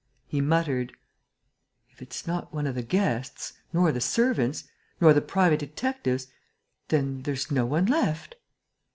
He muttered: "If it's not one of the guests, nor the servants, nor the private detectives, then there's no one left...."